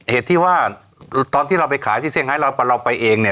เหตุที่ว่าตอนที่เราไปขายที่เซี่ยเราไปเองเนี่ย